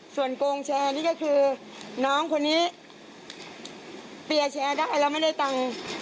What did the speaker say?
ส่วนโกงแชร์นี่ก็คือน้องคนนี้เปียร์แชร์ได้แล้วไม่ได้ตังค์